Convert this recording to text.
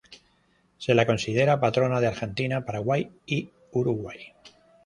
Se la considera patrona de Argentina, Paraguay, y Uruguay.